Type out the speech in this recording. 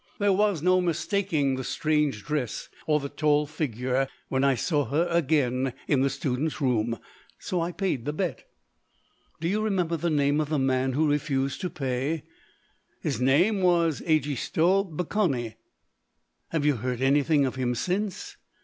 There was no mistaking the strange dress or the tall figure, when I saw her again in the student's room. So I paid the bet." "Do you remember the name of the man who refused to pay?" "His name was Egisto Baccani." "Have you heard anything of him since?"